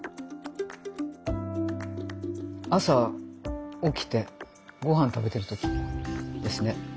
朝起きてご飯食べてる時ですね。